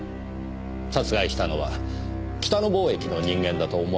殺害したのは北野貿易の人間だと思われます。